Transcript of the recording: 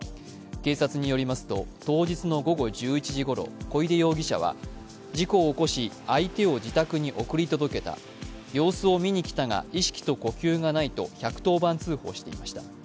警察によりますと、当日の午後１１時ごろ、小出容疑者は、事故を起こし相手を自宅に送り届けた、様子を見に来たが、意識と呼吸がないと１１０番通報していました。